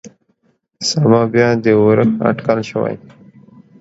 سبا بيا د اورښت اټکل شوى.